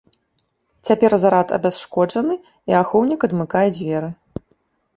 Цяпер зарад абясшкоджаны, і ахоўнік адмыкае дзверы.